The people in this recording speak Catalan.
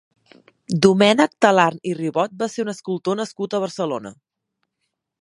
Domènec Talarn i Ribot va ser un escultor nascut a Barcelona.